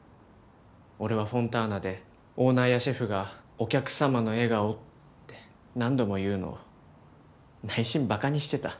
俺はフォンターナでオーナーやシェフが「お客様の笑顔」って何度も言うのを内心バカにしてた。